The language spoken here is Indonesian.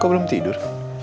kok belum tidur